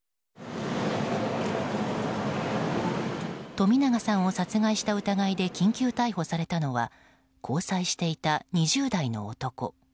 冨永さんを殺害した疑いで緊急逮捕されたのは交際していた２０代の男。